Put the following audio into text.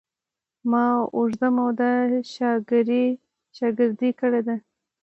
ما اوږده موده شاګردي کړې ده.